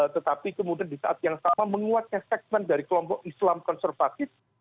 tetapi kemudian di saat yang sama menguatnya segmen dari kelompok islam konservatif